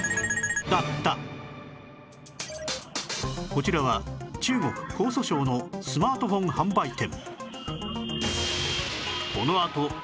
こちらは中国江蘇省のスマートフォン販売店